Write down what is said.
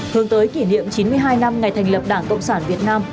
hướng tới kỷ niệm chín mươi hai năm ngày thành lập đảng cộng sản việt nam